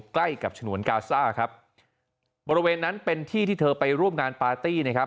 ใกล้กับฉนวนกาซ่าครับบริเวณนั้นเป็นที่ที่เธอไปร่วมงานปาร์ตี้นะครับ